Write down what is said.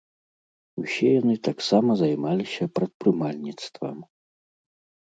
Усе яны таксама займаліся прадпрымальніцтвам.